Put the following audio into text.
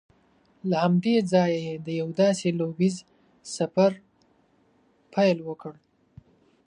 له همدې ځایه یې د یوه داسې لوبیز سفر پیل وکړ